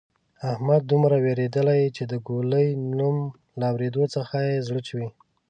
احمد دومره وېرېدلۍ چې د ګولۍ د نوم له اورېدو څخه یې زړه چوي.